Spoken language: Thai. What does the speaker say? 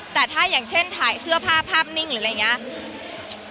แต่ถ้าอย่างเช่นถ่ายเสื้อผ้าภาพนิ่งหรืออะไรอย่างนี้